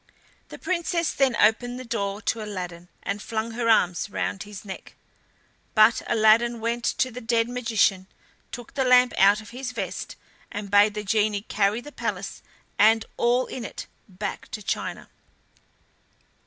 The Princess then opened the door to Aladdin, and flung her arms around his neck; but Aladdin went to the dead magician, took the lamp out of his vest, and bade the genie carry the palace and all in it back to China.